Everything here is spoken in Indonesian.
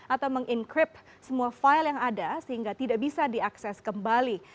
atau meng encrypt semua file yang ada sehingga tidak bisa diakses kembali